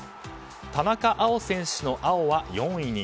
田中碧選手の碧は４位に。